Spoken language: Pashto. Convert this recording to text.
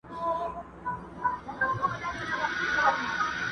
خبر سوم، بیرته ستون سوم، پر سجده پرېوتل غواړي٫